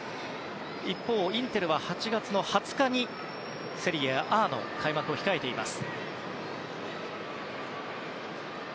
一方、インテルは８月２０日にセリエＡの開幕を控えます。